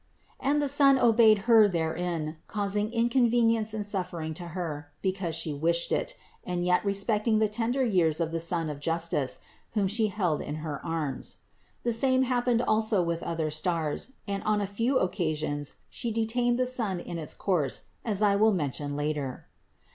And the sun obeyed Her therein, causing inconvenience and suffering to Her, because She wished it, and yet respecting the tender years of the Sun of justice, whom She held in her arms. The same happened also with other stars, and on a few occasions She detained the sun in its course, as I will mention later.